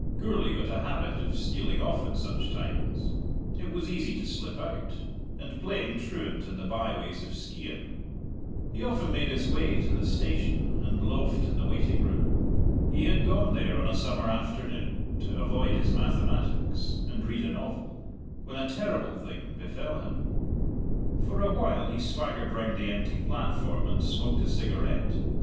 Gourlay got a habit of stealing off at such times it was easy to slip out and playing truant in the byways of Skeighan. He often made his way to the station, and loafed in the waiting room. He had gone there on a summer afternoon, to avoid his mathematics and read a novel, when a terrible thing befell him. For a while he swaggered round the empty platform and smoked a cigarette.